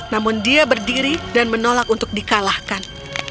namun dia berdiri dan menolak untuk dikalahkan